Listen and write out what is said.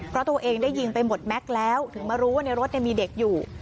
เพราะตัวเองได้ยิงไปหมดแม็กซ์แล้วถึงมารู้ว่าในรถมีเด็กอยู่